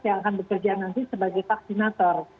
yang akan bekerja nanti sebagai vaksinator